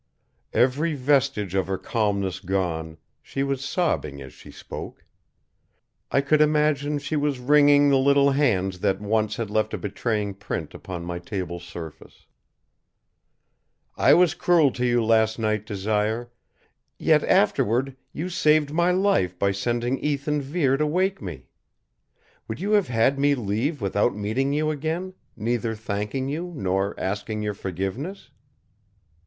Every vestige of her calmness gone, she was sobbing as she spoke. I could imagine she was wringing the little hands that once had left a betraying print upon my table's surface. "I was cruel to you last night, Desire; yet afterward you saved my life by sending Ethan Vere to wake me. Would you have had me leave without meeting you again, neither thanking you nor asking your forgiveness?"